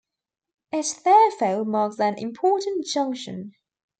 It therefore marks an important junction.